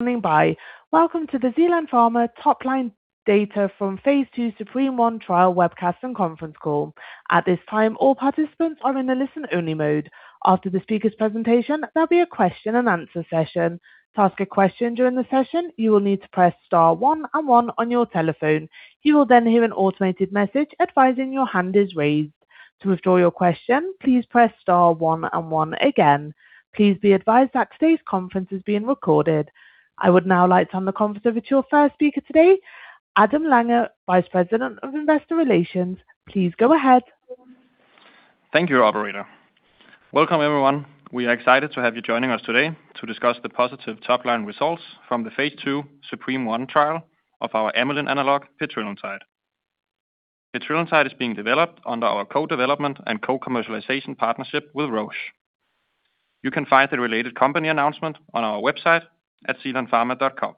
Standing by. Welcome to the Zealand Pharma Top Line Data from phase II ZUPREME-1 Trial webcast and conference call. At this time, all participants are in a listen-only mode. After the speaker's presentation, there'll be a question-and-answer session. To ask a question during the session, you will need to press star one and one on your telephone. You will then hear an automated message advising your hand is raised. To withdraw your question, please press star one and one again. Please be advised that today's conference is being recorded. I would now like to hand the conference over to your first speaker today, Adam Langer, Vice President, Investor Relations. Please go ahead. Thank you, operator. Welcome, everyone. We are excited to have you joining us today to discuss the positive top-line results from the phase II ZUPREME-1 trial of our amylin analog, Petrelintide. Petrelintide is being developed under our co-development and co-commercialization partnership with Roche. You can find the related company announcement on our website at zealandpharma.com.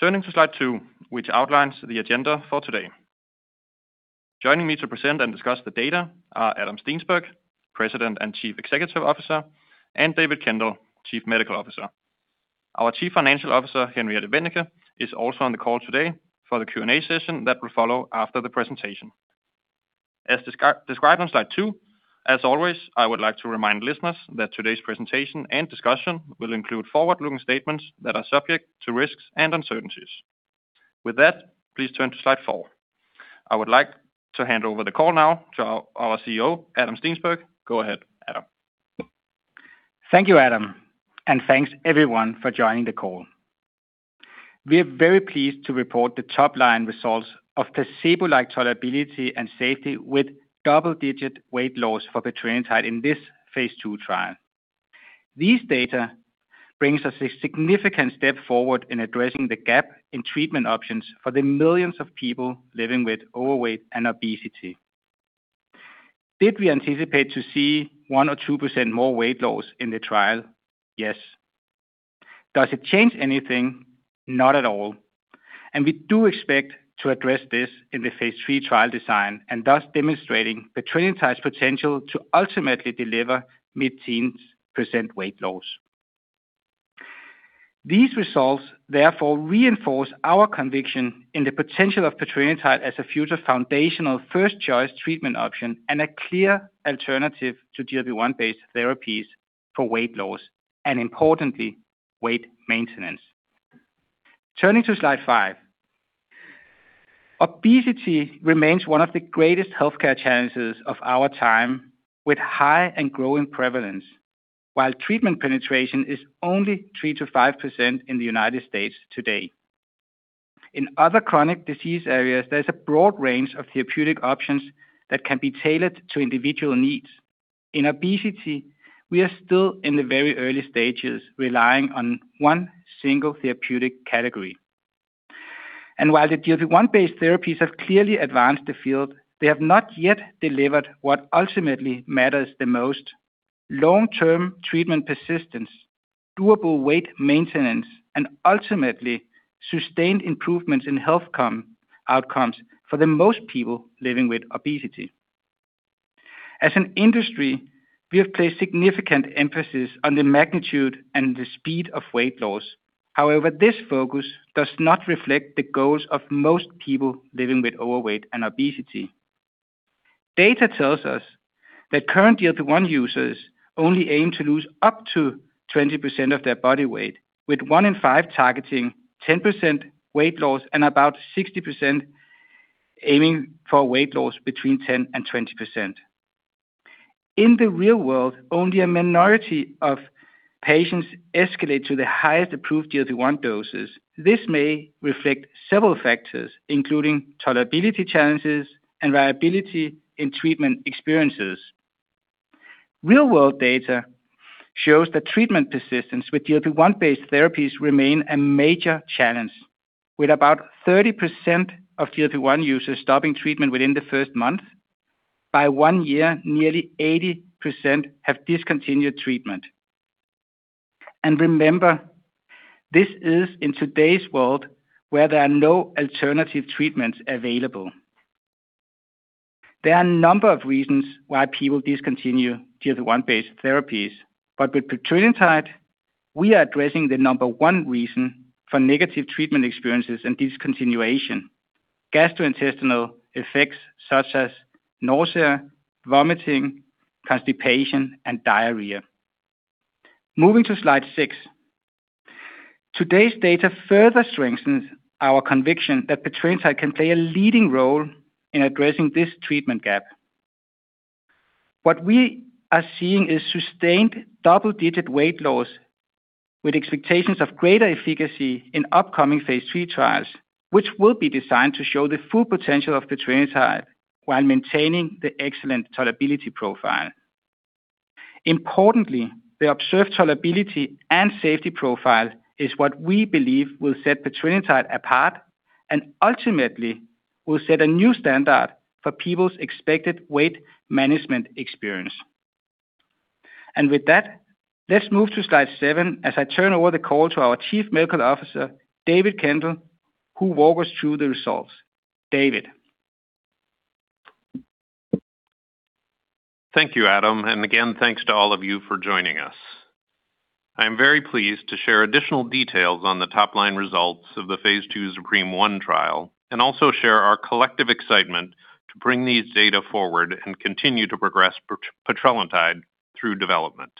Turning to slide 2, which outlines the agenda for today. Joining me to present and discuss the data are Adam Steensberg, President and Chief Executive Officer, David Kendall, Chief Medical Officer. Our Chief Financial Officer, Henriette Wennicke, is also on the call today for the Q&A session that will follow after the presentation. As described on slide 2, as always, I would like to remind listeners that today's presentation and discussion will include forward-looking statements that are subject to risks and uncertainties. With that, please turn to slide 4. I would like to hand over the call now to our CEO, Adam Steensberg. Go ahead, Adam. Thank you, Adam, and thanks everyone for joining the call. We are very pleased to report the top-line results of placebo-like tolerability and safety with double-digit weight loss for Petrelintide in this phase II trial. These data brings us a significant step forward in addressing the gap in treatment options for the millions of people living with overweight and obesity. Did we anticipate to see 1% or 2% more weight loss in the trial? Yes. Does it change anything? Not at all. We do expect to address this in the phase III trial design, and thus demonstrating Petrelintide's potential to ultimately deliver mid-teens % weight loss. These results therefore reinforce our conviction in the potential of Petrelintide as a future foundational first choice treatment option and a clear alternative to GLP-1 based therapies for weight loss, and importantly, weight maintenance. Turning to slide 5. Obesity remains one of the greatest healthcare challenges of our time, with high and growing prevalence. While treatment penetration is only 3% - 5% in the United States today. In other chronic disease areas, there's a broad range of therapeutic options that can be tailored to individual needs. In obesity, we are still in the very early stages, relying on one single therapeutic category. While the GLP-1 based therapies have clearly advanced the field, they have not yet delivered what ultimately matters the most: long-term treatment persistence, doable weight maintenance, and ultimately sustained improvements in health outcomes for the most people living with obesity. As an industry, we have placed significant emphasis on the magnitude and the speed of weight loss. However, this focus does not reflect the goals of most people living with overweight and obesity. Data tells us that current GLP-1 users only aim to lose up to 20% of their body weight, with one in five targeting 10% weight loss and about 60% aiming for weight loss between 10% and 20%. In the real world, only a minority of patients escalate to the highest approved GLP-1 doses. This may reflect several factors, including tolerability challenges and variability in treatment experiences. Real-world data shows that treatment persistence with GLP-1 based therapies remain a major challenge, with about 30% of GLP-1 users stopping treatment within the first month. By one year, nearly 80% have discontinued treatment. Remember, this is in today's world where there are no alternative treatments available. There are a number of reasons why people discontinue GLP-1 based therapies, but with Petrelintide, we are addressing the number one reason for negative treatment experiences and discontinuation: gastrointestinal effects such as nausea, vomiting, constipation, and diarrhea. Moving to slide 6. Today's data further strengthens our conviction that Petrelintide can play a leading role in addressing this treatment gap. What we are seeing is sustained double-digit weight loss with expectations of greater efficacy in upcoming phase III trials, which will be designed to show the full potential of Petrelintide while maintaining the excellent tolerability profile. Importantly, the observed tolerability and safety profile is what we believe will set Petrelintide apart and ultimately will set a new standard for people's expected weight management experience. With that, let's move to slide 7 as I turn over the call to our Chief Medical Officer, David Kendall, who walk us through the results. David. Thank you, Adam. Again, thanks to all of you for joining us. I am very pleased to share additional details on the top-line results of the phase II ZUPREME-1 trial and also share our collective excitement to bring these data forward and continue to progress Petrelintide through development.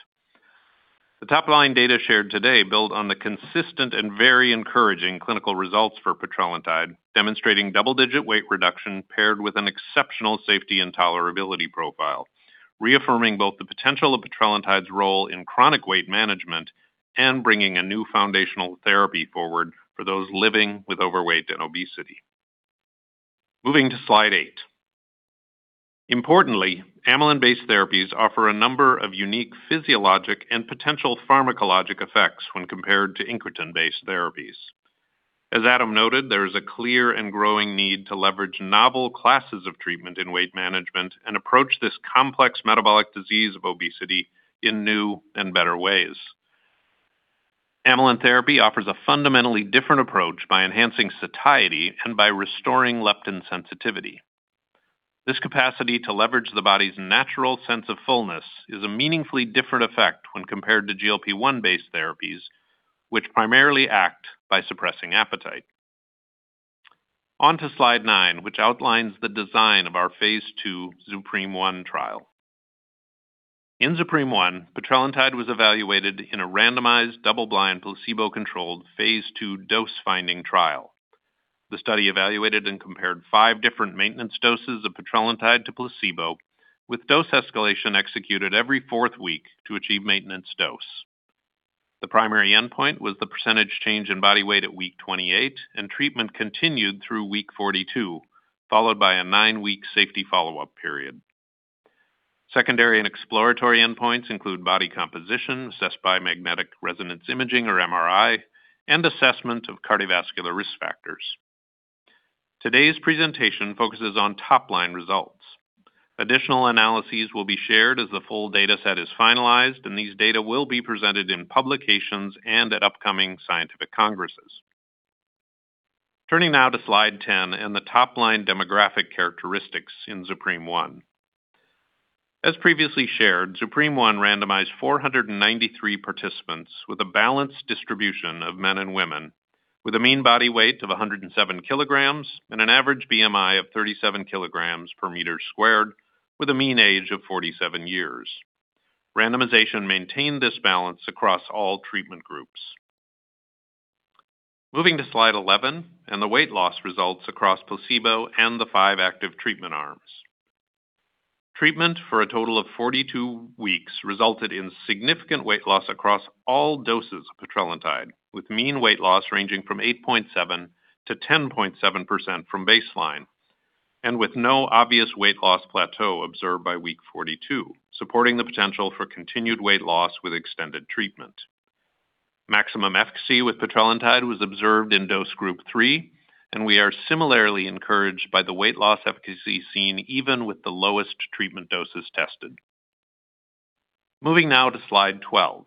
The top-line data shared today build on the consistent and very encouraging clinical results for Petrelintide, demonstrating double-digit weight reduction paired with an exceptional safety and tolerability profile, reaffirming both the potential of Petrelintide's role in chronic weight management and bringing a new foundational therapy forward for those living with overweight and obesity. Moving to slide 8. Importantly, amylin-based therapies offer a number of unique physiologic and potential pharmacologic effects when compared to incretin-based therapies. As Adam noted, there is a clear and growing need to leverage novel classes of treatment in weight management and approach this complex metabolic disease of obesity in new and better ways. amylin therapy offers a fundamentally different approach by enhancing satiety and by restoring leptin sensitivity. This capacity to leverage the body's natural sense of fullness is a meaningfully different effect when compared to GLP-1-based therapies, which primarily act by suppressing appetite. On to slide nine, which outlines the design of our phase II ZUPREME-1 trial. In ZUPREME-1, Petrelintide was evaluated in a randomized, double-blind, placebo-controlled phase II dose-finding trial. The study evaluated and compared five different maintenance doses of Petrelintide to placebo, with dose escalation executed every fourth week to achieve maintenance dose. The primary endpoint was the percentage change in body weight at week 28. Treatment continued through week 42, followed by a nine week safety follow-up period. Secondary and exploratory endpoints include body composition assessed by magnetic resonance imaging or MRI. Assessment of cardiovascular risk factors. Today's presentation focuses on top-line results. Additional analyses will be shared as the full data set is finalized. These data will be presented in publications and at upcoming scientific congresses. Turning now to slide 10. The top-line demographic characteristics in ZUPREME-1. As previously shared, ZUPREME-1 randomized 493 participants with a balanced distribution of men and women with a mean body weight of 107 kg. An average BMI of 37 kg per meter squared with a mean age of 47 years. Randomization maintained this balance across all treatment groups. Moving to slide 11 and the weight loss results across placebo and the 5 active treatment arms. Treatment for a total of 42 weeks resulted in significant weight loss across all doses of Petrelintide, with mean weight loss ranging from 8.7% to 10.7% from baseline and with no obvious weight loss plateau observed by week 42, supporting the potential for continued weight loss with extended treatment. Maximum efficacy with Petrelintide was observed in dose group 3, and we are similarly encouraged by the weight loss efficacy seen even with the lowest treatment doses tested. Moving now to slide 12.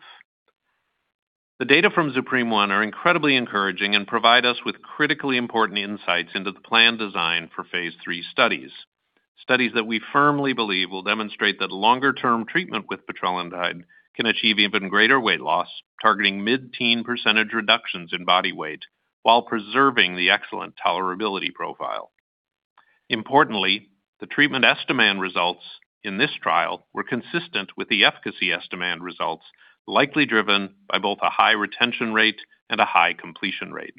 The data from ZUPREME-1 are incredibly encouraging and provide us with critically important insights into the plan design for phase III studies. Studies that we firmly believe will demonstrate that longer-term treatment with Petrelintide can achieve even greater weight loss, targeting mid-teen % reductions in body weight while preserving the excellent tolerability profile. Importantly, the treatment estimand results in this trial were consistent with the efficacy estimand results, likely driven by both a high retention rate and a high completion rate.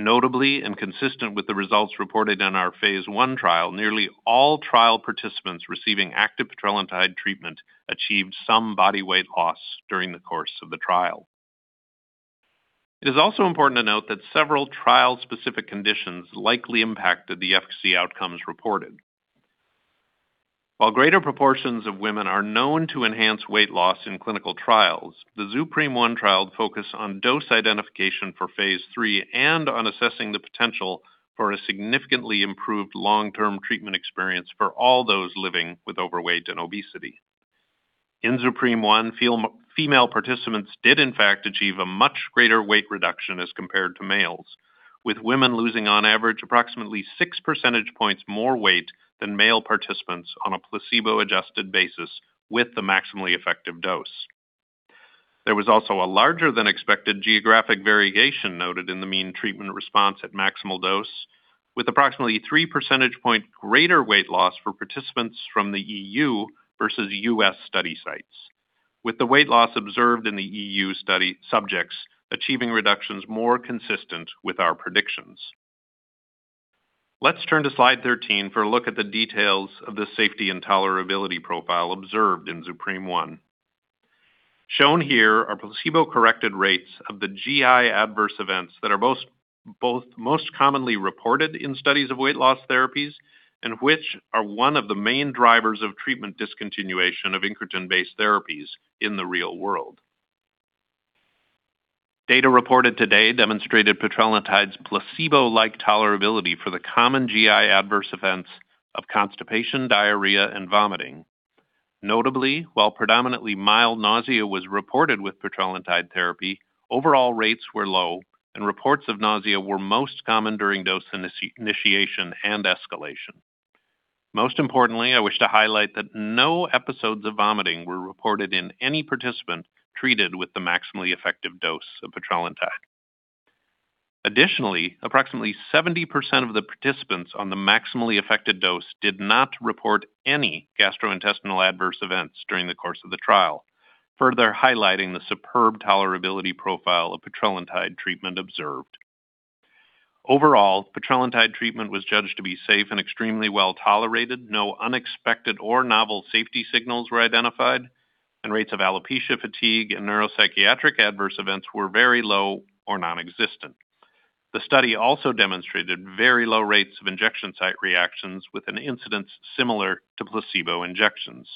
Notably, and consistent with the results reported in our phase I trial, nearly all trial participants receiving active Petrelintide treatment achieved some body weight loss during the course of the trial. It is also important to note that several trial-specific conditions likely impacted the efficacy outcomes reported. While greater proportions of women are known to enhance weight loss in clinical trials, the ZUPREME-1 trial focused on dose identification for phase III and on assessing the potential for a significantly improved long-term treatment experience for all those living with overweight and obesity. In ZUPREME-1, female participants did in fact achieve a much greater weight reduction as compared to males, with women losing on average approximately six percentage points more weight than male participants on a placebo-adjusted basis with the maximally effective dose. There was also a larger than expected geographic variation noted in the mean treatment response at maximal dose, with approximately three percentage point greater weight loss for participants from the EU versus US study sites. With the weight loss observed in the EU study subjects achieving reductions more consistent with our predictions. Let's turn to slide 13 for a look at the details of the safety and tolerability profile observed in ZUPREME-1. Shown here are placebo-corrected rates of the GI adverse events that are both most commonly reported in studies of weight loss therapies and which are one of the main drivers of treatment discontinuation of incretin-based therapies in the real world. Data reported today demonstrated Petrelintide's placebo-like tolerability for the common GI adverse events of constipation, diarrhea, and vomiting. Notably, while predominantly mild nausea was reported with Petrelintide therapy, overall rates were low, and reports of nausea were most common during dose initiation and escalation. Most importantly, I wish to highlight that no episodes of vomiting were reported in any participant treated with the maximally effective dose of Petrelintide. Additionally, approximately 70% of the participants on the maximally affected dose did not report any gastrointestinal adverse events during the course of the trial. Highlighting the superb tolerability profile of Petrelintide treatment observed. Petrelintide treatment was judged to be safe and extremely well tolerated. No unexpected or novel safety signals were identified, and rates of alopecia, fatigue, and neuropsychiatric adverse events were very low or non-existent. The study also demonstrated very low rates of injection site reactions with an incidence similar to placebo injections.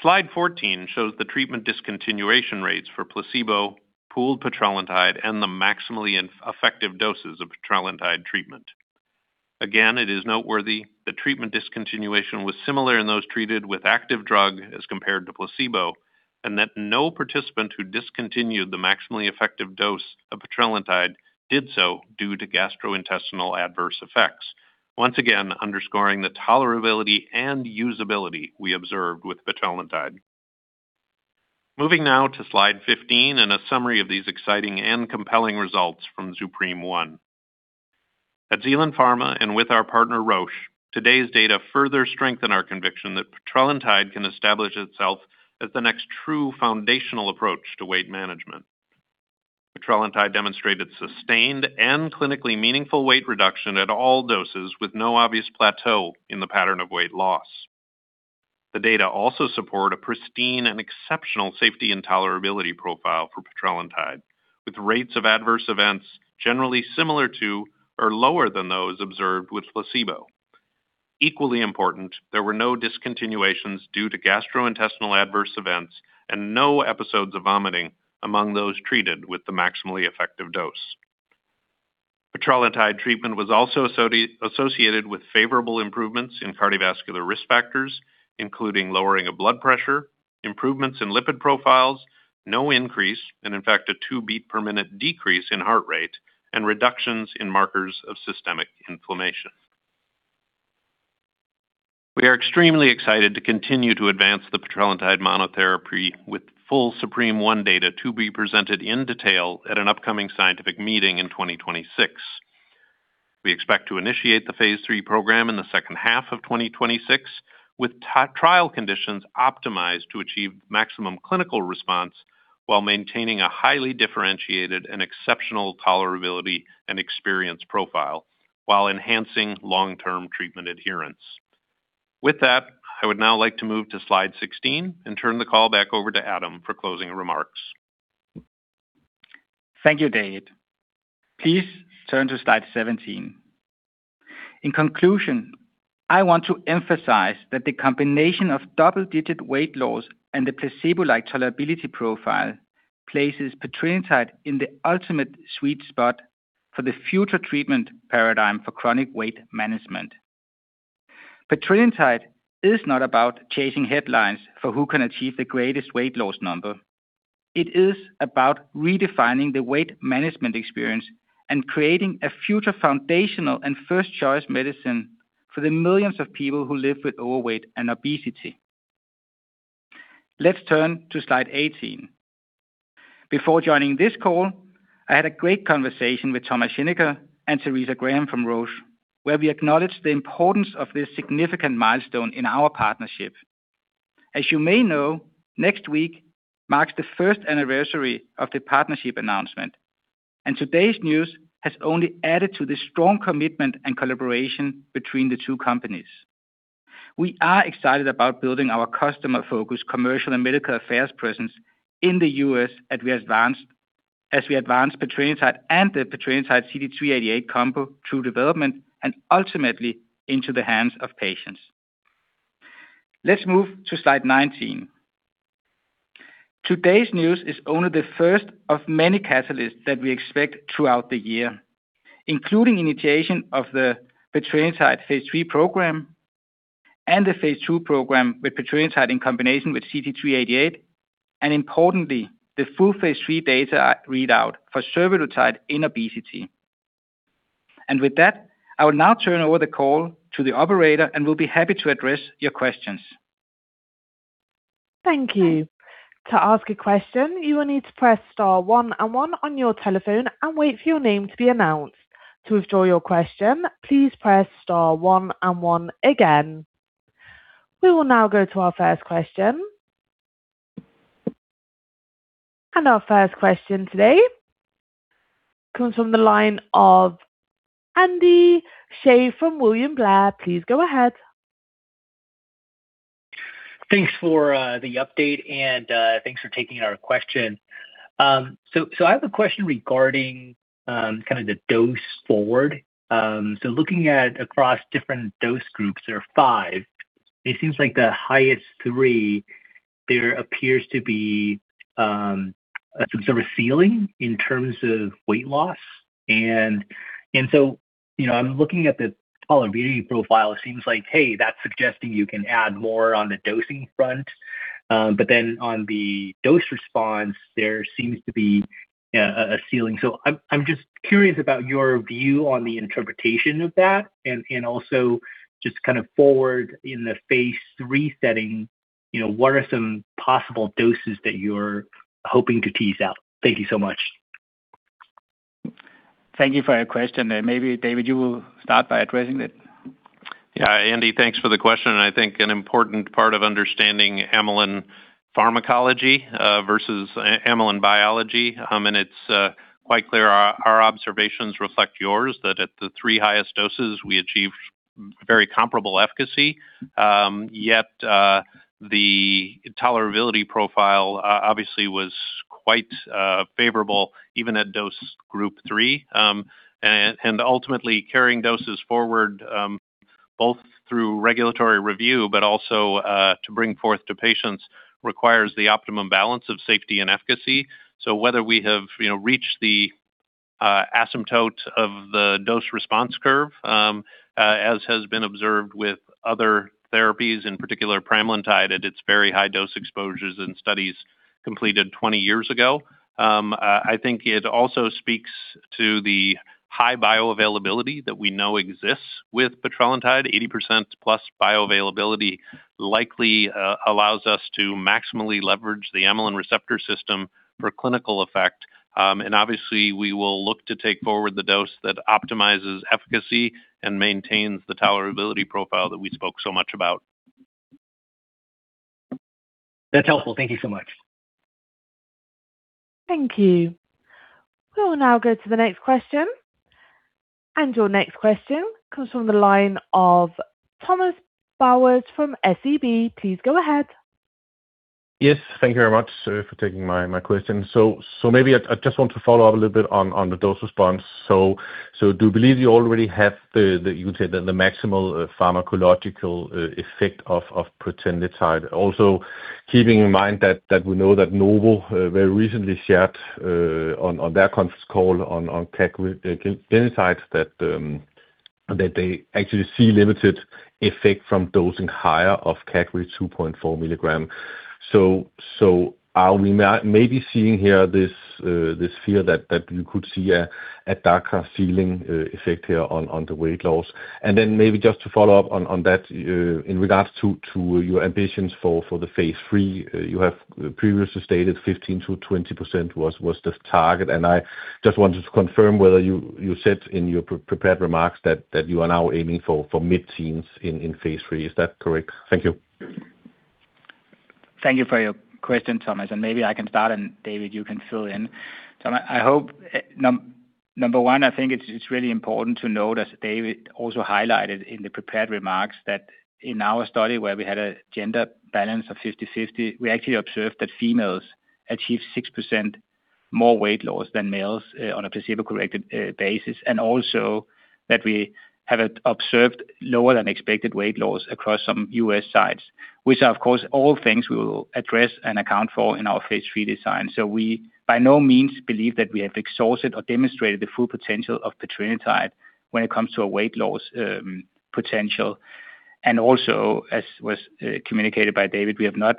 Slide 14 shows the treatment discontinuation rates for placebo, pooled Petrelintide, and the maximally effective doses of Petrelintide treatment. It is noteworthy that treatment discontinuation was similar in those treated with active drug as compared to placebo, and that no participant who discontinued the maximally effective dose of Petrelintide did so due to gastrointestinal adverse effects. Once again underscoring the tolerability and usability we observed with Petrelintide. Moving now to slide 15 and a summary of these exciting and compelling results from ZUPREME-1. At Zealand Pharma and with our partner, Roche, today's data further strengthen our conviction that Petrelintide can establish itself as the next true foundational approach to weight management. Petrelintide demonstrated sustained and clinically meaningful weight reduction at all doses, with no obvious plateau in the pattern of weight loss. The data also support a pristine and exceptional safety and tolerability profile for Petrelintide, with rates of adverse events generally similar to or lower than those observed with placebo. Equally important, there were no discontinuations due to gastrointestinal adverse events and no episodes of vomiting among those treated with the maximally effective dose. Petrelintide treatment was also associated with favorable improvements in cardiovascular risk factors, including lowering of blood pressure, improvements in lipid profiles, no increase, and in fact, a 2-beat per minute decrease in heart rate, and reductions in markers of systemic inflammation. We are extremely excited to continue to advance the Petrelintide monotherapy with full ZUPREME-1 data to be presented in detail at an upcoming scientific meeting in 2026. We expect to initiate the phase III program in the second half of 2026, with trial conditions optimized to achieve maximum clinical response while maintaining a highly differentiated and exceptional tolerability and experience profile while enhancing long-term treatment adherence. With that, I would now like to move to slide 16 and turn the call back over to Adam for closing remarks. Thank you, David. Please turn to slide 17. In conclusion, I want to emphasize that the combination of double-digit weight loss and the placebo-like tolerability profile places Petrelintide in the ultimate sweet spot for the future treatment paradigm for chronic weight management. Petrelintide is not about chasing headlines for who can achieve the greatest weight loss number. It is about redefining the weight management experience and creating a future foundational and first-choice medicine for the millions of people who live with overweight and obesity. Let's turn to slide 18. Before joining this call, I had a great conversation with Thomas Schinecker and Teresa Graham from Roche, where we acknowledged the importance of this significant milestone in our partnership. As you may know, next week marks the first anniversary of the partnership announcement, and today's news has only added to the strong commitment and collaboration between the two companies. We are excited about building our customer-focused commercial and medical affairs presence in the U.S. as we advance Petrelintide and the Petrelintide CT-388 combo through development and ultimately into the hands of patients. Let's move to slide 19. Today's news is only the first of many catalysts that we expect throughout the year, including initiation of the Petrelintide phase III program and the phase II program with Petrelintide in combination with CT-388, and importantly, the full phase III data readout for survodutide in obesity. With that, I will now turn over the call to the operator and will be happy to address your questions. Thank you. To ask a question, you will need to press star one and one on your telephone and wait for your name to be announced. To withdraw your question, please press star one and one again. We will now go to our first question. Our first question today comes from the line of Andy Hsieh from William Blair. Please go ahead. Thanks for the update and thanks for taking our question. So I have a question regarding kinda the dose forward. So looking at across different dose groups, there are five. It seems like the highest three, there appears to be some sort of ceiling in terms of weight loss. You know, I'm looking at the tolerability profile. It seems like, hey, that's suggesting you can add more on the dosing front. But then on the dose response, there seems to be a ceiling. I'm just curious about your view on the interpretation of that and also just kind of forward in the phase III setting, you know, what are some possible doses that you're hoping to tease out? Thank you so much. Thank you for your question. Maybe David, you will start by addressing it. Yeah. Andy, thanks for the question. I think an important part of understanding amylin pharmacology versus amylin biology, it's quite clear our observations reflect yours that at the three highest doses we achieved very comparable efficacy. Yet, the tolerability profile obviously was quite favorable even at dose group three. Ultimately carrying doses forward, both through regulatory review but also to bring forth to patients requires the optimum balance of safety and efficacy. Whether we have, you know, reached the asymptote of the dose response curve, as has been observed with other therapies, in particular pramlintide at its very high dose exposures in studies completed 20 years ago. I think it also speaks to the high bioavailability that we know exists with Petrelintide. 80% plus bioavailability likely, allows us to maximally leverage the amylin receptor system for clinical effect. Obviously we will look to take forward the dose that optimizes efficacy and maintains the tolerability profile that we spoke so much about. That's helpful. Thank you so much. Thank you. We'll now go to the next question. Your next question comes from the line of Thomas Bowers from SEB. Please go ahead. Yes. Thank you very much for taking my question. Maybe I just want to follow up a little bit on the dose response. Do you believe you already have the, you would say the maximal pharmacological effect of Petrelintide? Also keeping in mind that we know that Novo very recently shared on their conference call on cagrilintide that they actually see limited effect from dosing higher of cagrilintide 2.4 milligram. Are we maybe seeing here this fear that you could see a darker ceiling effect here on the weight loss? Maybe just to follow up on that, in regards to your ambitions for the phase III, you have previously stated 15%-20% was the target. I just wanted to confirm whether you said in your prepared remarks that you are now aiming for mid-teens in phase III. Is that correct? Thank you. Thank you for your question, Thomas, and maybe I can start, and David, you can fill in. I hope, number one, I think it's really important to note, as David also highlighted in the prepared remarks, that in our study where we had a gender balance of 50/50, we actually observed that females achieved 6% more weight loss than males on a placebo-corrected basis, and also that we have observed lower than expected weight loss across some U.S. sites, which are, of course, all things we will address and account for in our phase III design. We by no means believe that we have exhausted or demonstrated the full potential of Petrelintide when it comes to a weight loss potential. Also, as was communicated by David, we have not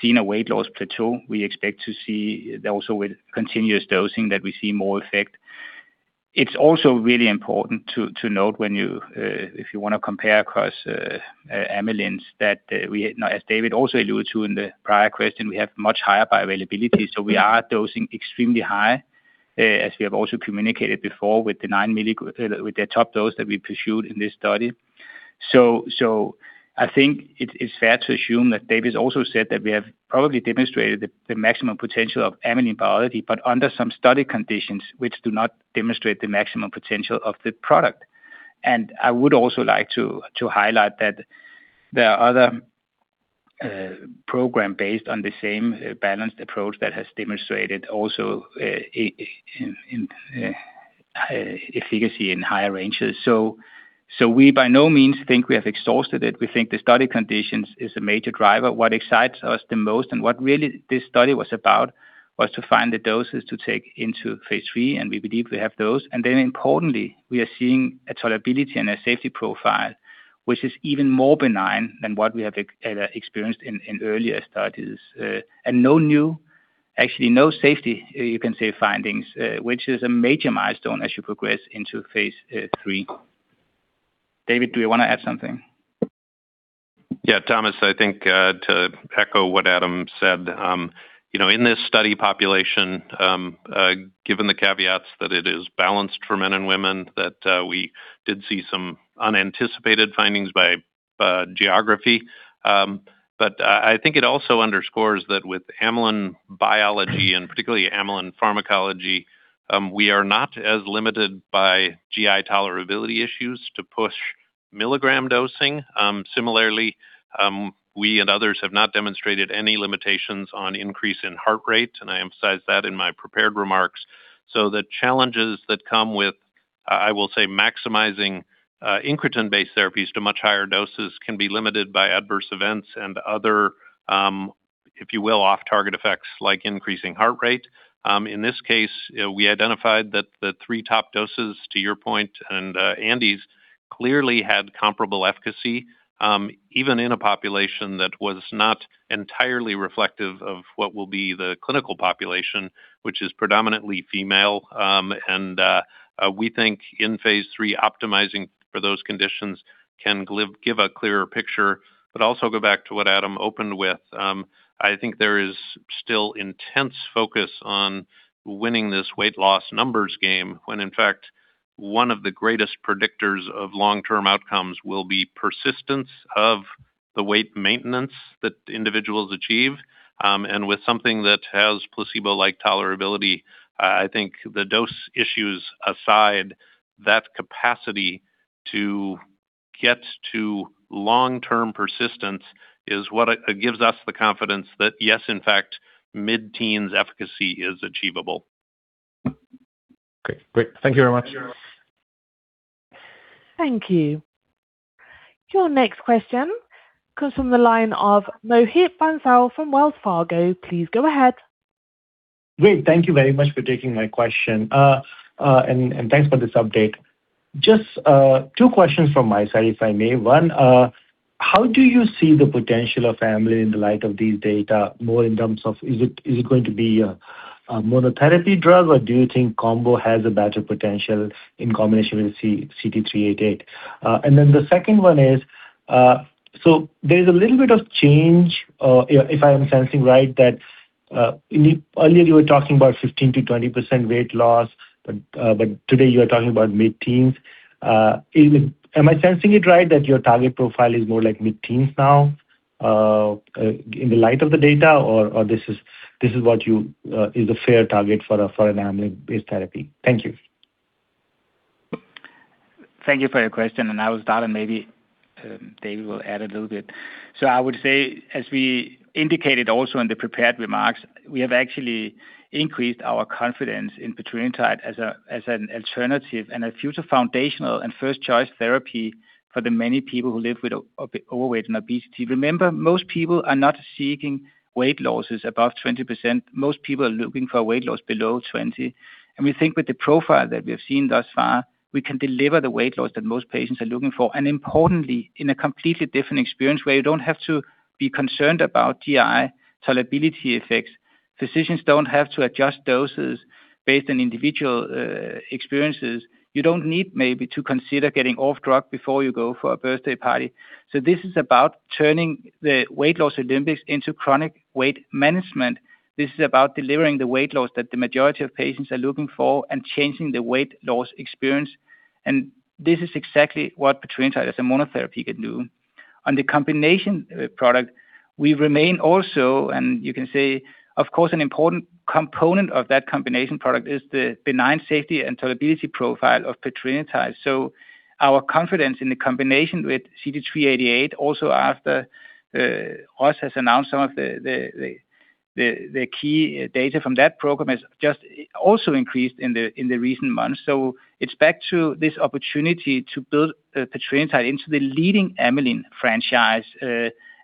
seen a weight loss plateau. We expect to see also with continuous dosing that we see more effect. It's also really important to note when you if you wanna compare across amylins that Now, as David also alluded to in the prior question, we have much higher bioavailability, so we are dosing extremely high as we have also communicated before with the nine milli with the top dose that we pursued in this study. I think it's fair to assume that David's also said that we have probably demonstrated the maximum potential of amylin biology, but under some study conditions which do not demonstrate the maximum potential of the product. I would also like to highlight that there are other program based on the same balanced approach that has demonstrated also in efficacy in higher ranges. We by no means think we have exhausted it. We think the study conditions is a major driver. What excites us the most and what really this study was about was to find the doses to take into phase III, and we believe we have those. Importantly, we are seeing a tolerability and a safety profile, which is even more benign than what we have experienced in earlier studies. Actually, no safety, you can say, findings, which is a major milestone as you progress into phase III. David, do you wanna add something? Yeah. Thomas, I think, to echo what Adam said, you know, in this study population, given the caveats that it is balanced for men and women, that we did see some unanticipated findings by geography. I think it also underscores that with amylin biology and particularly amylin pharmacology, we are not as limited by GI tolerability issues to push milligram dosing. Similarly, we and others have not demonstrated any limitations on increase in heart rate, and I emphasized that in my prepared remarks. The challenges that come with, I will say, maximizing incretin-based therapies to much higher doses can be limited by adverse events and other, if you will, off-target effects like increasing heart rate. In this case, we identified that the three top doses, to your point and Andy's, clearly had comparable efficacy, even in a population that was not entirely reflective of what will be the clinical population, which is predominantly female. We think in phase III, optimizing for those conditions can give a clearer picture, but also go back to what Adam opened with. I think there is still intense focus on winning this weight loss numbers game, when in fact, one of the greatest predictors of long-term outcomes will be persistence of the weight maintenance that individuals achieve. With something that has placebo-like tolerability, I think the dose issues aside, that capacity to get to long-term persistence is what gives us the confidence that, yes, in fact, mid-teens efficacy is achievable. Okay, great. Thank you very much. Thank you. Your next question comes from the line of Mohit Bansal from Wells Fargo. Please go ahead. Great. Thank you very much for taking my question. Thanks for this update. Just two questions from my side, if I may. One, how do you see the potential of amylin in the light of this data, more in terms of is it, is it going to be a monotherapy drug, or do you think combo has a better potential in combination with CT-388? The second one is there's a little bit of change, if I am sensing right that in the... Earlier, you were talking about 15%-20% weight loss, but today you are talking about mid-teens. Am I sensing it right that your target profile is more like mid-teens now, in light of the data or, this is what you, is a fair target for an amylin-based therapy? Thank you. Thank you for your question. I will start, and maybe David will add a little bit. I would say, as we indicated also in the prepared remarks, we have actually increased our confidence in Petrelintide as an alternative and a future foundational and first-choice therapy for the many people who live with overweight and obesity. Remember, most people are not seeking weight losses above 20%. Most people are looking for weight loss below 20. We think with the profile that we have seen thus far, we can deliver the weight loss that most patients are looking for, and importantly, in a completely different experience where you don't have to be concerned about GI tolerability effects. Physicians don't have to adjust doses based on individual experiences. You don't need maybe to consider getting off drug before you go for a birthday party. This is about turning the weight loss Olympics into chronic weight management. This is about delivering the weight loss that the majority of patients are looking for and changing the weight loss experience. This is exactly what Petrelintide as a monotherapy can do. On the combination product, we remain also, and you can say, of course, an important component of that combination product is the benign safety and tolerability profile of Petrelintide. Our confidence in the combination with CT-388, also after Roche has announced some of the key data from that program has just also increased in the recent months. It's back to this opportunity to build Petrelintide into the leading amylin franchise,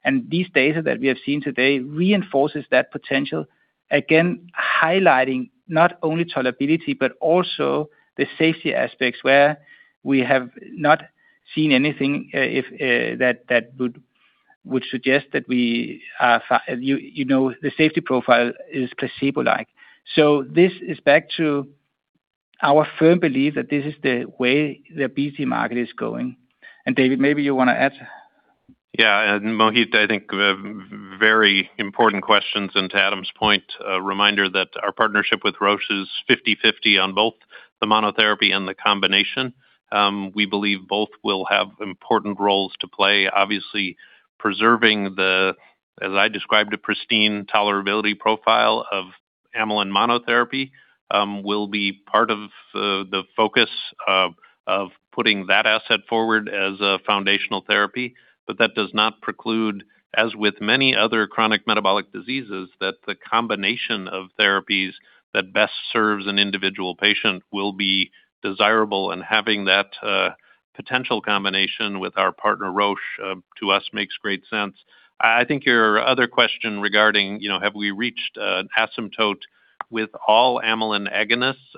and this data that we have seen today reinforces that potential. Highlighting not only tolerability, but also the safety aspects where we have not seen anything, if, that would suggest that we are, you know, the safety profile is placebo-like. This is back to our firm belief that this is the way the B.C. market is going. David, maybe you wanna add. Yeah. Mohit, I think, very important questions. To Adam's point, a reminder that our partnership with Roche is 50/50 on both the monotherapy and the combination. We believe both will have important roles to play. Obviously, preserving the, as I described, a pristine tolerability profile of amylin monotherapy, will be part of the focus of putting that asset forward as a foundational therapy. That does not preclude, as with many other chronic metabolic diseases, that the combination of therapies that best serves an individual patient will be desirable in having that potential combination with our partner, Roche, to us makes great sense. I think your other question regarding, you know, have we reached an asymptote with all amylin agonists,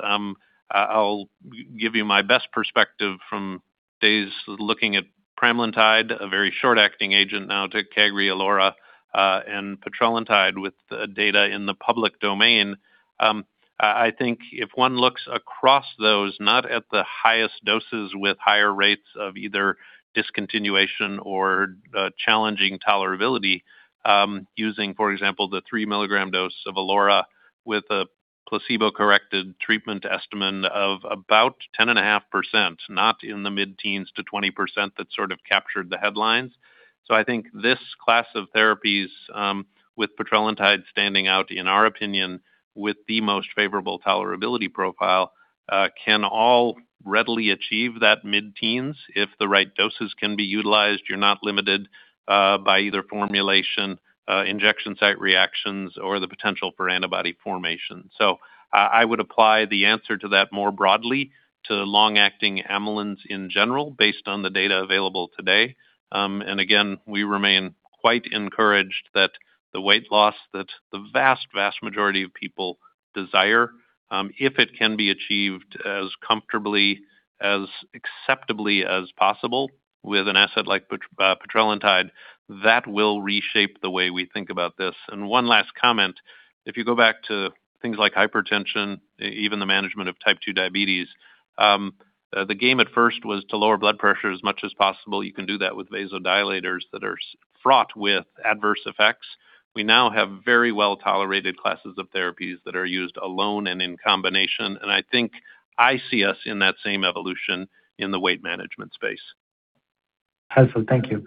I'll give you my best perspective from days looking at pramlintide, a very short-acting agent now to cagrilintide, and Petrelintide with data in the public domain. I think if one looks across those not at the highest doses with higher rates of either discontinuation or challenging tolerability, using, for example, the 3-milligram dose of liraglutide with a placebo-corrected treatment estimate of about 10.5%, not in the mid-teens to 20% that sort of captured the headlines. I think this class of therapies, with Petrelintide standing out, in our opinion, with the most favorable tolerability profile. Can all readily achieve that mid-teens if the right doses can be utilized. You're not limited, by either formulation, injection site reactions or the potential for antibody formation. I would apply the answer to that more broadly to long-acting amylins in general based on the data available today. Again, we remain quite encouraged that the weight loss that the vast majority of people desire, if it can be achieved as comfortably, as acceptably as possible with an asset like Petrelintide, that will reshape the way we think about this. One last comment. If you go back to things like hypertension, even the management of type two diabetes, the game at first was to lower blood pressure as much as possible. You can do that with vasodilators that are fraught with adverse effects. We now have very well-tolerated classes of therapies that are used alone and in combination, and I think I see us in that same evolution in the weight management space. Helpful. Thank you.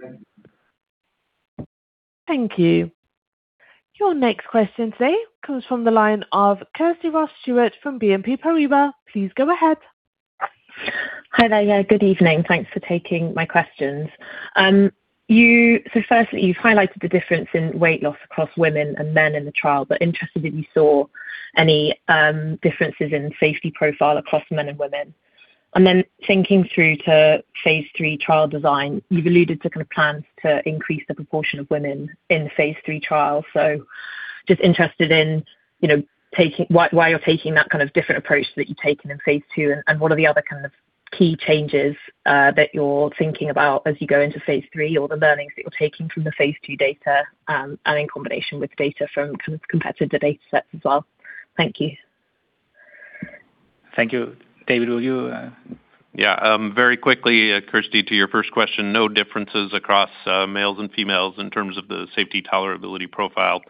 Thank you. Your next question today comes from the line of Kirsty Ross-Stewart from BNP Paribas. Please go ahead. Hi there. Yeah, good evening. Thanks for taking my questions. So firstly, you've highlighted the difference in weight loss across women and men in the trial, but interested if you saw any differences in safety profile across men and women. Thinking through to phase III trial design, you've alluded to kinda plans to increase the proportion of women in the phase III trial. Just interested in, you know, Why you're taking that kind of different approach that you've taken in phase II and what are the other kind of key changes that you're thinking about as you go into phase III or the learnings that you're taking from the phase II data, and in combination with data from kind of competitive datasets as well. Thank you. Thank you. David, will you? Yeah, very quickly, Kirsty, to your first question. No differences across males and females in terms of the safety tolerability profile,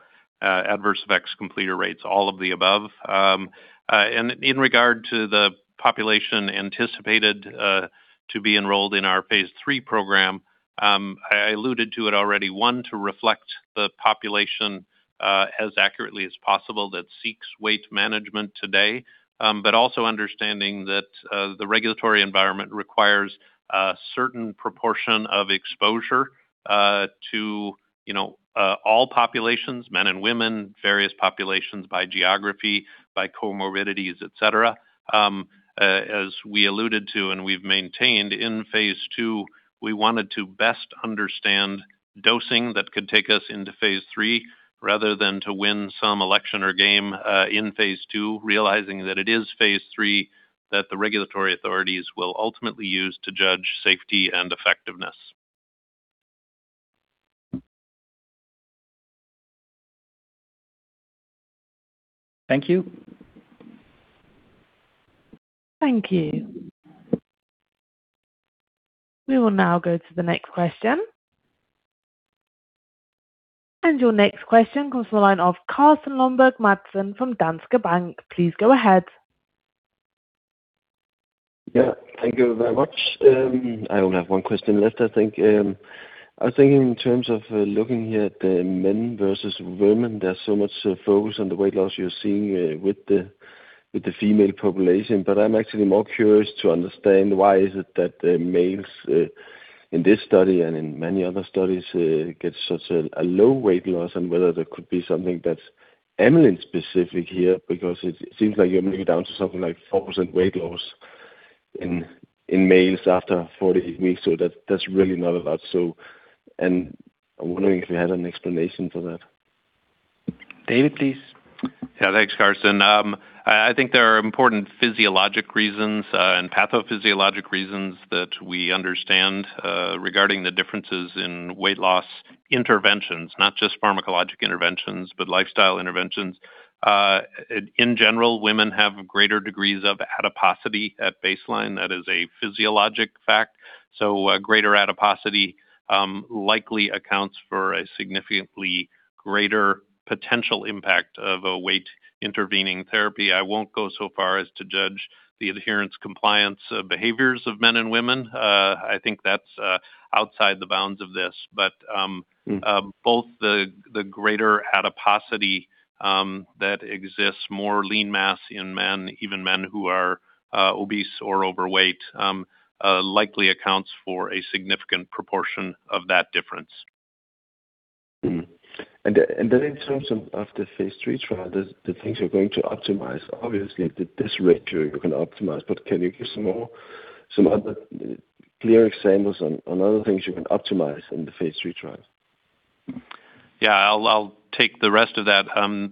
adverse effects, completer rates, all of the above. In regard to the population anticipated to be enrolled in our phase III program, I alluded to it already. One, to reflect the population as accurately as possible that seeks weight management today, but also understanding that the regulatory environment requires a certain proportion of exposure to, you know, all populations, men and women, various populations by geography, by comorbidities, et cetera. As we alluded to and we've maintained in phase II, we wanted to best understand dosing that could take us into phase III rather than to win some election or game, in phase II, realizing that it is phase III that the regulatory authorities will ultimately use to judge safety and effectiveness. Thank you. Thank you. We will now go to the next question. Your next question comes from the line of Carsten Lønborg Madsen from Danske Bank. Please go ahead. Yeah, thank you very much. I only have one question left, I think. I was thinking in terms of looking here at the men versus women, there's so much focus on the weight loss you're seeing with the female population. I'm actually more curious to understand why is it that the males in this study and in many other studies get such a low weight loss and whether there could be something that's amylin-specific here because it seems like you're maybe down to something like 4% weight loss in males after 40 weeks. That's really not a lot. I'm wondering if you had an explanation for that. David, please. Yeah, thanks, Carsten. I think there are important physiologic reasons and pathophysiologic reasons that we understand regarding the differences in weight loss interventions. Not just pharmacologic interventions, but lifestyle interventions. In general, women have greater degrees of adiposity at baseline. That is a physiologic fact. A greater adiposity likely accounts for a significantly greater potential impact of a weight intervening therapy. I won't go so far as to judge the adherence compliance behaviors of men and women. I think that's outside the bounds of this. Mm. Both the greater adiposity, that exists, more lean mass in men, even men who are obese or overweight, likely accounts for a significant proportion of that difference. In terms of the phase III trial, the things you're going to optimize, obviously this ratio you can optimize. Can you give some other clear examples on other things you can optimize in the phase III trials? Yeah. I'll take the rest of that.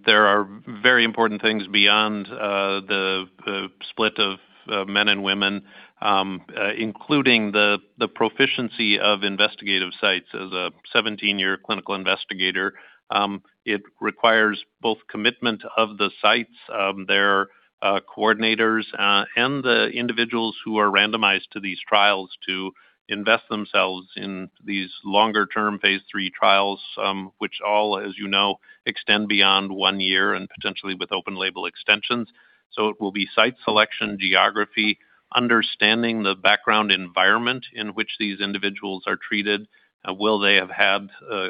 There are very important things beyond the split of men and women, including the proficiency of investigative sites. As a 17-year clinical investigator, it requires both commitment of the sites, their coordinators, and the individuals who are randomized to these trials to invest themselves in these longer-term phase III trials, which all, as you know, extend beyond one year and potentially with open label extensions. It will be site selection, geography, understanding the background environment in which these individuals are treated. Will they have had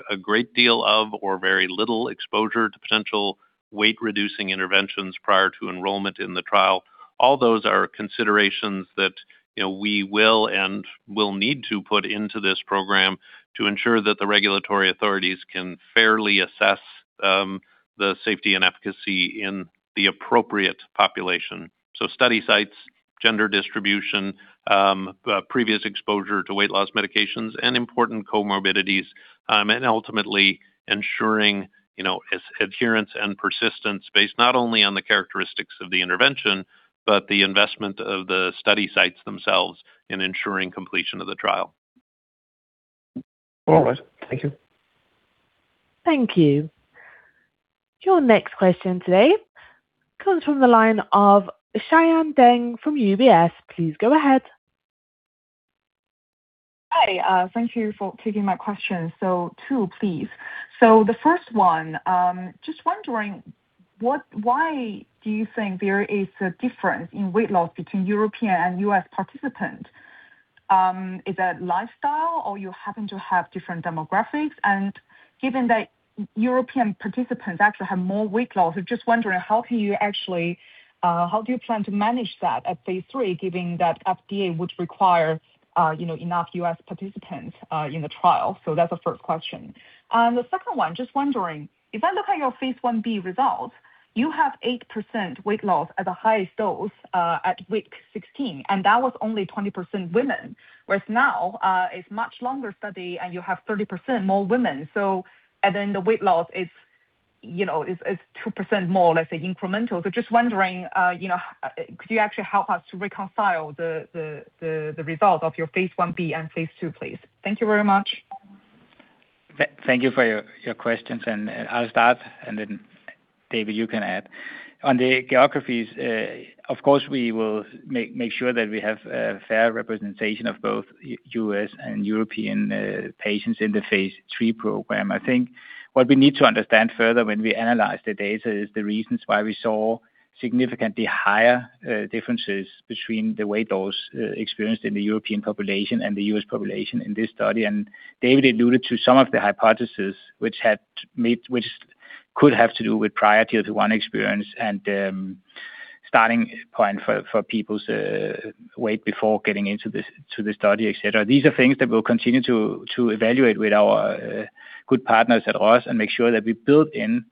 a great deal of or very little exposure to potential Weight reducing interventions prior to enrollment in the trial. All those are considerations that, you know, we will and will need to put into this program to ensure that the regulatory authorities can fairly assess, the safety and efficacy in the appropriate population. Study sites, gender distribution, previous exposure to weight loss medications and important comorbidities, and ultimately ensuring, you know, adherence and persistence based not only on the characteristics of the intervention, but the investment of the study sites themselves in ensuring completion of the trial. All right. Thank you. Thank you. Your next question today comes from the line of Xian Deng from UBS. Please go ahead. Hi, thank you for taking my question. Two, please. The first one, just wondering why do you think there is a difference in weight loss between European and US participants? Is that lifestyle or you happen to have different demographics? Given that European participants actually have more weight loss, I'm just wondering how can you actually, how do you plan to manage that at phase III given that FDA would require, you know, enough US participants in the trial? That's the first question. The second one, just wondering, if I look at your phase IB results, you have 8% weight loss at the highest dose, at week 16, and that was only 20% women. Whereas now, it's much longer study and you have 30% more women. The weight loss is, you know, is 2% more, let's say, incremental. Just wondering, you know, could you actually help us to reconcile the result of your phase IB and phase II, please? Thank you very much. Thank you for your questions, I'll start, and then David, you can add. On the geographies, of course, we will make sure that we have a fair representation of both US and European patients in the phase III program. I think what we need to understand further when we analyze the data is the reasons why we saw significantly higher differences between the weight loss experienced in the European population and the US population in this study. David alluded to some of the hypothesis which could have to do with priority of the one experience and starting point for people's weight before getting to the study, et cetera. These are things that we'll continue to evaluate with our good partners at Roche and make sure that we build in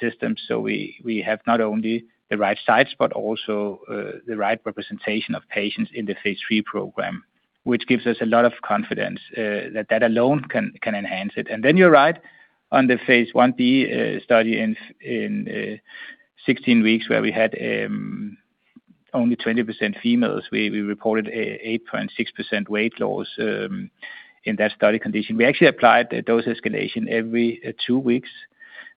systems so we have not only the right sites, but also the right representation of patients in the phase III program, which gives us a lot of confidence that alone can enhance it. You're right on the phase IB study in 16 weeks where we had only 20% females. We reported 8.6% weight loss in that study condition. We actually applied the dose escalation every two weeks.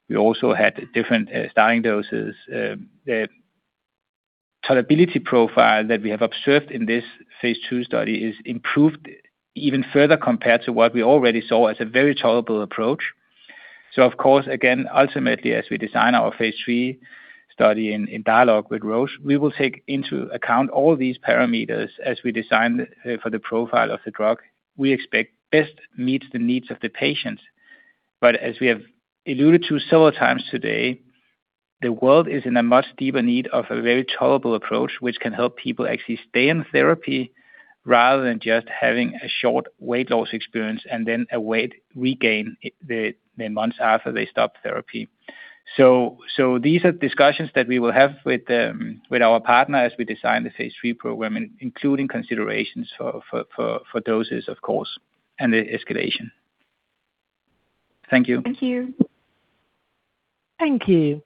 We also had different starting doses. Tolerability profile that we have observed in this phase II study is improved even further compared to what we already saw as a very tolerable approach. Of course, again, ultimately, as we design our phase III study in dialogue with Roche, we will take into account all these parameters as we design for the profile of the drug we expect best meets the needs of the patients. As we have alluded to several times today, the world is in a much deeper need of a very tolerable approach, which can help people actually stay in therapy rather than just having a short weight loss experience and then a weight regain the months after they stop therapy. These are discussions that we will have with our partner as we design the phase III program, including considerations for doses of course and the escalation. Thank you. Thank you. Thank you.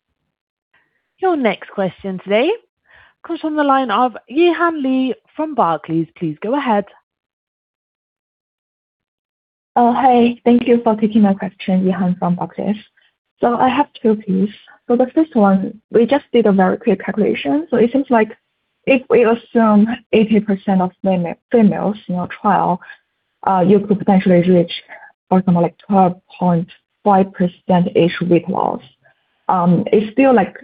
Your next question today comes from the line of Yihan Li from Barclays. Please go ahead. Oh, hi. Thank you for taking my question, Yihan from Barclays. I have two, please. The first one, we just did a very quick calculation. It seems like if we assume 80% of females in your trial, you could potentially reach or something like 12.5%-ish weight loss. It's still like,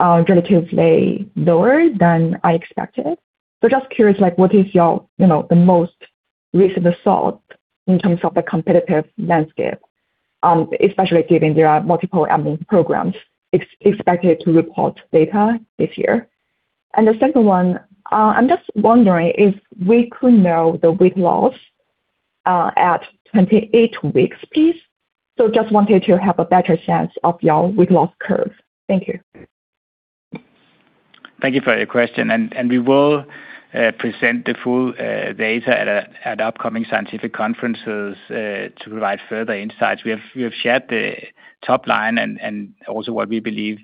relatively lower than I expected. Just curious, like what is your, you know, the most recent result in terms of the competitive landscape, especially given there are multiple amylin programs expected to report data this year. The second one, I'm just wondering if we could know the weight loss at 28 weeks please. Just wanted to have a better sense of your weight loss curve. Thank you. Thank you for your question. We will present the full data at upcoming scientific conferences to provide further insights. We have shared the top line and also what we believe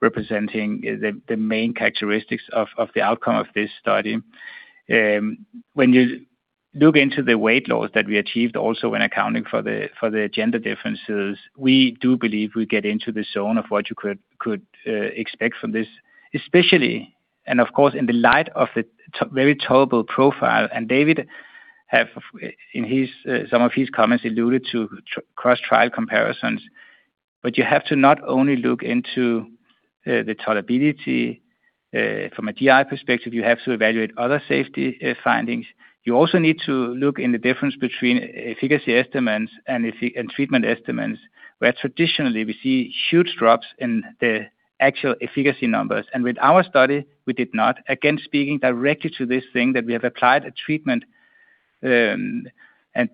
representing the main characteristics of the outcome of this study. When you look into the weight loss that we achieved also when accounting for the gender differences, we do believe we get into the zone of what you could expect from this especially, and of course, in the light of the very tolerable profile. David have in his some of his comments alluded to cross trial comparisons. You have to not only look into the tolerability from a GI perspective, you have to evaluate other safety findings. You also need to look in the difference between efficacy estimates and effect and treatment estimates, where traditionally we see huge drops in the actual efficacy numbers. With our study, we did not. Again, speaking directly to this thing that we have applied a treatment, and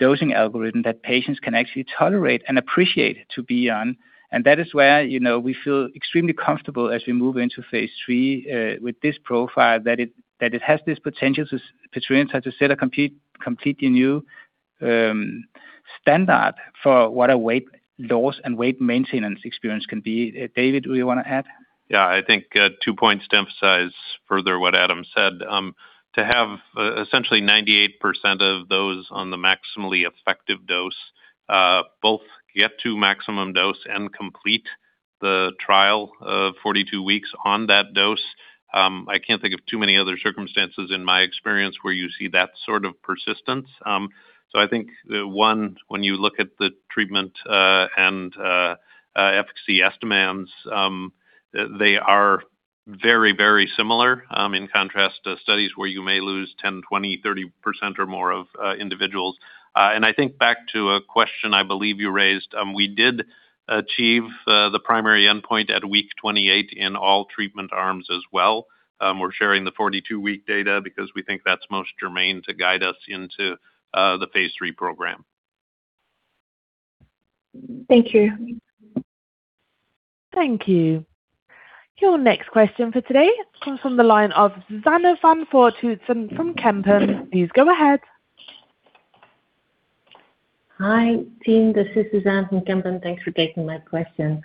dosing algorithm that patients can actually tolerate and appreciate to be on. That is where, you know, we feel extremely comfortable as we move into phase III, with this profile that it has this potential to set a completely new, standard for what a weight loss and weight maintenance experience can be. David, do you want to add? I think two points to emphasize further what Adam said. To have essentially 98% of those on the maximally effective dose, both get to maximum dose and complete the trial of 42 weeks on that dose. I can't think of too many other circumstances in my experience where you see that sort of persistence. I think the one when you look at the treatment, and efficacy estimates, they are very, very similar, in contrast to studies where you may lose 10%, 20%, 30% or more of individuals. I think back to a question I believe you raised, we did achieve the primary endpoint at week 28 in all treatment arms as well. We're sharing the 42 week data because we think that's most germane to guide us into the phase III program. Thank you. Thank you. Your next question for today comes from the line of Suzanne van Voorthuizen from Kempen. Please go ahead. Hi, team. This is Suzanne from Kempen. Thanks for taking my question.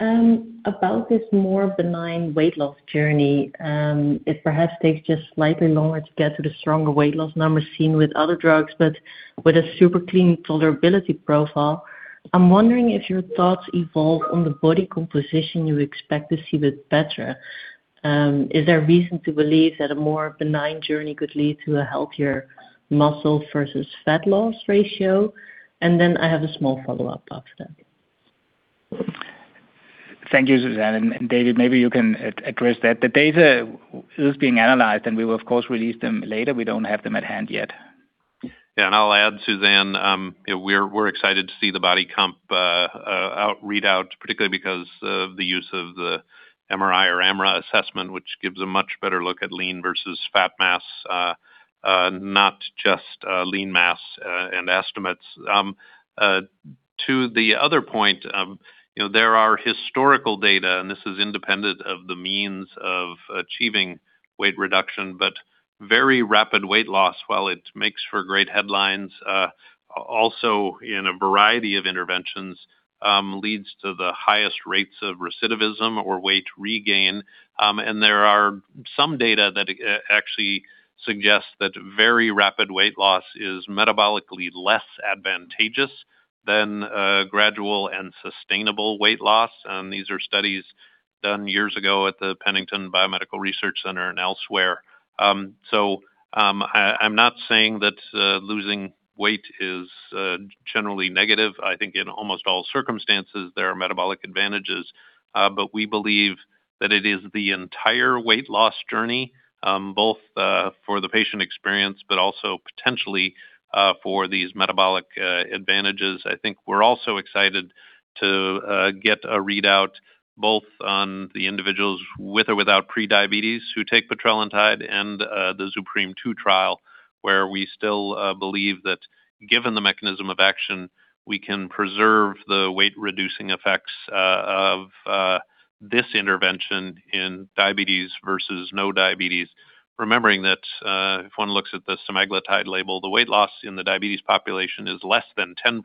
About this more benign weight loss journey, it perhaps takes just slightly longer to get to the stronger weight loss numbers seen with other drugs, but with a super clean tolerability profile. I'm wondering if your thoughts evolve on the body composition you expect to see with Petra. Is there reason to believe that a more benign journey could lead to a healthier muscle versus fat loss ratio? I have a small follow-up after that. Thank you, Suzanne. David, maybe you can address that. The data is being analyzed, and we will of course, release them later. We don't have them at hand yet. Yeah. I'll add, Suzanne, we're excited to see the body comp out readout, particularly because of the use of the MRI or MRE assessment, which gives a much better look at lean versus fat mass, not just lean mass, and estimates. To the other point, you know, there are historical data, and this is independent of the means of achieving weight reduction, but very rapid weight loss, while it makes for great headlines, also in a variety of interventions, leads to the highest rates of recidivism or weight regain. There are some data that actually suggests that very rapid weight loss is metabolically less advantageous than a gradual and sustainable weight loss. These are studies done years ago at the Pennington Biomedical Research Center and elsewhere. I'm not saying that losing weight is generally negative. I think in almost all circumstances there are metabolic advantages, but we believe that it is the entire weight loss journey, both for the patient experience, but also potentially for these metabolic advantages. I think we're also excited to get a readout both on the individuals with or without pre-diabetes who take Petrelintide and the ZUPREME-2 trial, where we still believe that given the mechanism of action, we can preserve the weight reducing effects of this intervention in diabetes versus no diabetes. Remembering that if one looks at the semaglutide label, the weight loss in the diabetes population is less than 10%,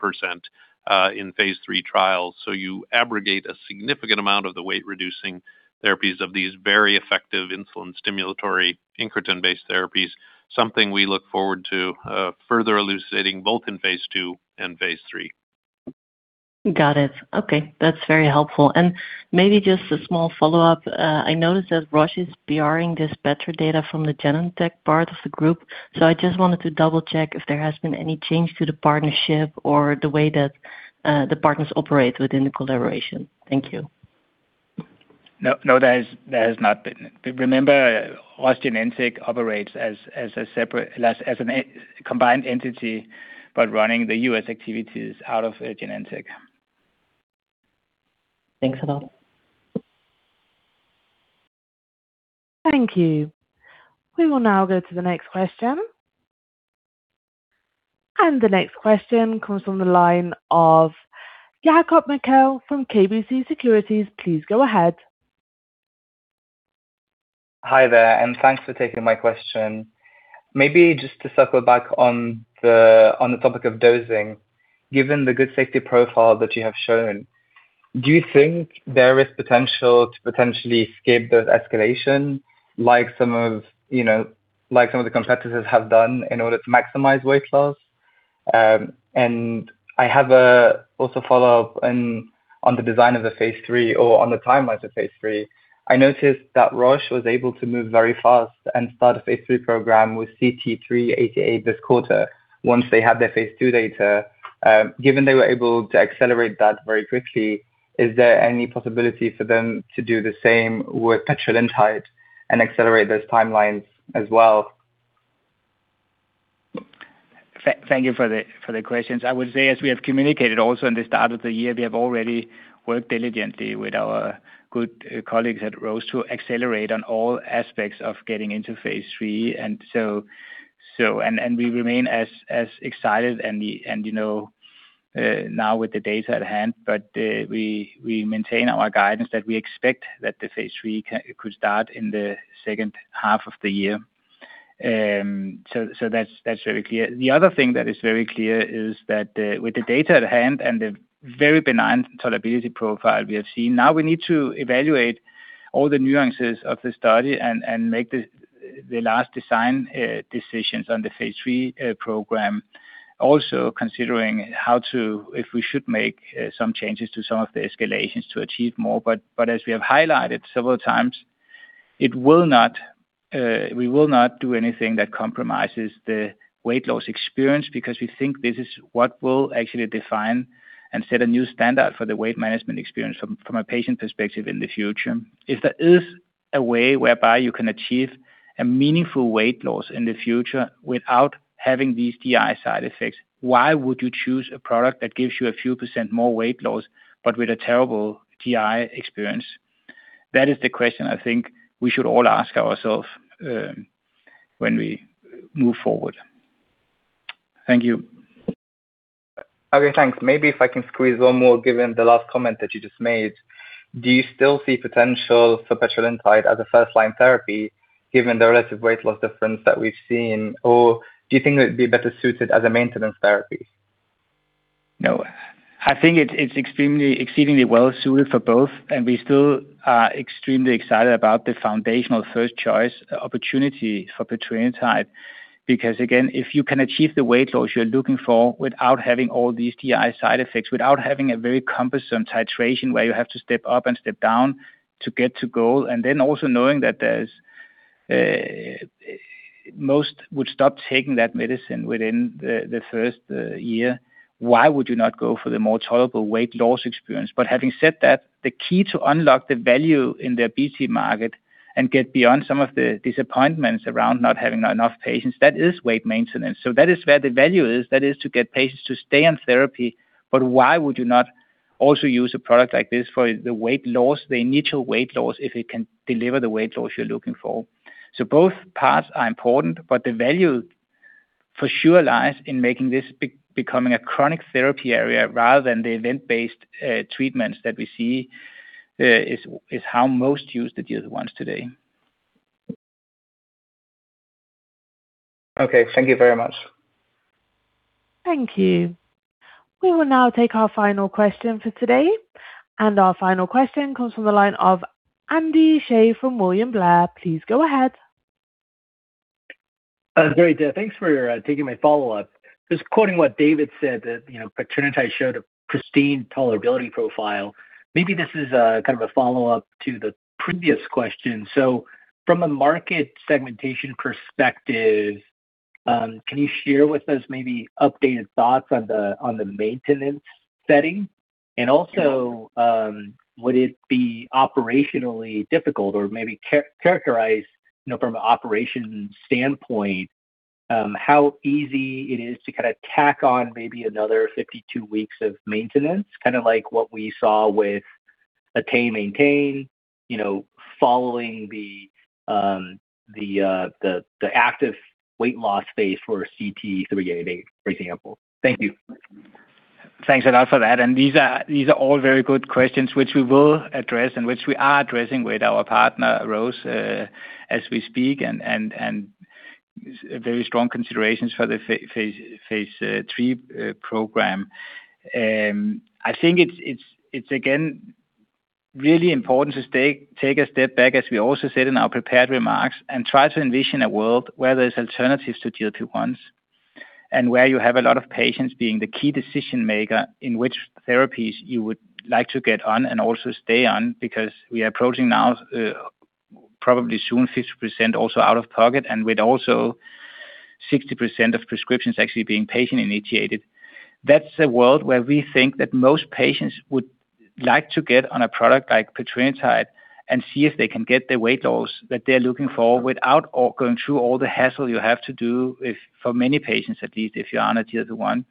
in phase III trials. You abrogate a significant amount of the weight reducing therapies of these very effective insulin stimulatory incretin-based therapies, something we look forward to, further elucidating both in phase II and phase III. Got it. Okay. That's very helpful. Maybe just a small follow-up. I noticed that Roche is PR-ing this better data from the Genentech part of the group. I just wanted to double-check if there has been any change to the partnership or the way that the partners operate within the collaboration. Thank you. No, there has not been. Remember, Roche Genentech operates as a separate combined entity, but running the U.S. activities out of Genentech. Thanks a lot. Thank you. We will now go to the next question. The next question comes from the line of Jacob Mekhael from KBC Securities. Please go ahead. Hi there, thanks for taking my question. Maybe just to circle back on the topic of dosing. Given the good safety profile that you have shown, do you think there is potential to potentially skip dose escalation like some of the competitors have done in order to maximize weight loss? I have a also follow-up and on the design of the phase III or on the timelines of phase III. I noticed that Roche was able to move very fast and start a phase III program with CT-388 this quarter once they had their phase II data. Given they were able to accelerate that very quickly, is there any possibility for them to do the same with Petrelintide and accelerate those timelines as well? Thank you for the questions. I would say, as we have communicated also in the start of the year, we have already worked diligently with our good colleagues at Roche to accelerate on all aspects of getting into phase III. We remain as excited and the, and, you know, now with the data at hand. We maintain our guidance that we expect that the phase III could start in the second half of the year. That's very clear. The other thing that is very clear is that with the data at hand and the very benign tolerability profile we have seen, now we need to evaluate all the nuances of the study and make the last design decisions on the phase III program. Also considering if we should make some changes to some of the escalations to achieve more. As we have highlighted several times, it will not, we will not do anything that compromises the weight loss experience because we think this is what will actually define and set a new standard for the weight management experience from a patient perspective in the future. If there is a way whereby you can achieve a meaningful weight loss in the future without having these GI side effects, why would you choose a product that gives you a few percent more weight loss but with a terrible GI experience? That is the question I think we should all ask ourselves when we move forward. Thank you. Thanks. Maybe if I can squeeze 1 more, given the last comment that you just made. Do you still see potential for Petrelintide as a first-line therapy given the relative weight loss difference that we've seen? Or do you think it would be better suited as a maintenance therapy? I think it's extremely exceedingly well suited for both. We still are extremely excited about the foundational first choice opportunity for Petrelintide. Again, if you can achieve the weight loss you're looking for without having all these GI side effects, without having a very cumbersome titration where you have to step up and step down to get to goal, also knowing that there's most would stop taking that medicine within the first year, why would you not go for the more tolerable weight loss experience? Having said that, the key to unlock the value in the obesity market and get beyond some of the disappointments around not having enough patients, that is weight maintenance. That is where the value is. That is to get patients to stay on therapy. Why would you not also use a product like this for the weight loss, the initial weight loss, if it can deliver the weight loss you're looking for? Both parts are important, but the value for sure lies in making this becoming a chronic therapy area rather than the event-based treatments that we see is how most use the GLP-1s today. Okay. Thank you very much. Thank you. We will now take our final question for today. Our final question comes from the line of Andy Hsieh from William Blair. Please go ahead. Great. Thanks for taking my follow-up. Just quoting what David said that, you know, Petrelintide showed a pristine tolerability profile. Maybe this is kind of a follow-up to the previous question. From a market segmentation perspective, can you share with us maybe updated thoughts on the maintenance setting? Would it be operationally difficult or maybe characterize, you know, from an operations standpoint, how easy it is to kind of tack on maybe another 52 weeks of maintenance, kind of like what we saw with ATTAIN-MAINTAIN, you know, following the active weight loss phase for CT-388, for example. Thank you. Thanks a lot for that. These are all very good questions which we will address and which we are addressing with our partner, Roche, as we speak and very strong considerations for the phase III program. I think it's again, really important to take a step back, as we also said in our prepared remarks, and try to envision a world where there's alternatives to GLP-1s, and where you have a lot of patients being the key decision-maker in which therapies you would like to get on and also stay on. We are approaching now, probably soon 50% also out of pocket and with also 60% of prescriptions actually being patient-initiated. That's a world where we think that most patients would like to get on a product like Petrelintide and see if they can get the weight loss that they're looking for without going through all the hassle you have to do if for many patients at least, if you're on a GLP-1.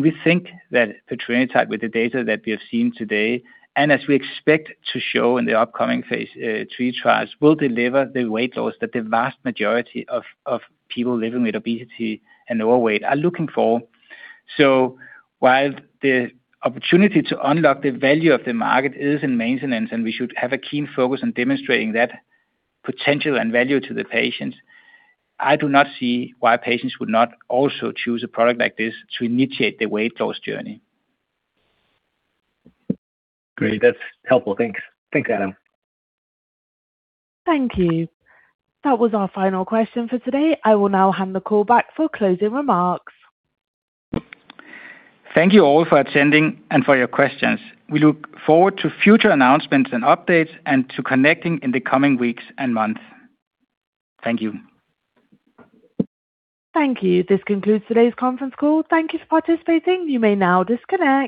We think that Petrelintide, with the data that we have seen today and as we expect to show in the upcoming phase III trials, will deliver the weight loss that the vast majority of people living with obesity and overweight are looking for. While the opportunity to unlock the value of the market is in maintenance, and we should have a keen focus on demonstrating that potential and value to the patients, I do not see why patients would not also choose a product like this to initiate their weight loss journey. Great. That's helpful. Thanks. Thanks, Adam. Thank you. That was our final question for today. I will now hand the call back for closing remarks. Thank you all for attending and for your questions. We look forward to future announcements and updates and to connecting in the coming weeks and months. Thank you. Thank you. This concludes today's conference call. Thank you for participating. You may now disconnect.